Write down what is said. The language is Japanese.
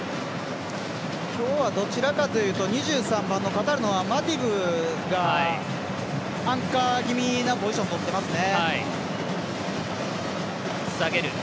今日は、どちらかというと２３番のカタールのマディブーがアンカー気味なポジションを取っていますね。